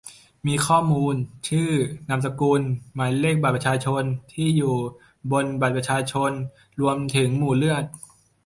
มีข้อมูล ชื่อ นามสกุล หมายเลขบัตรประชาชน ที่อยู่ บนบัตรประชาชน รวมถึงหมู่เลือด